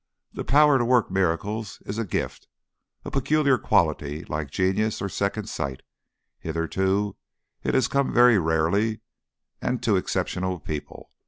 The power to work miracles is a gift a peculiar quality like genius or second sight hitherto it has come very rarely and to exceptional people.